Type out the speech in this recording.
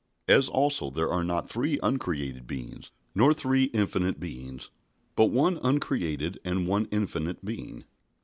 As also there are not three uncreated beings, nor three infinite beings, but one uncreated and one infinite Being."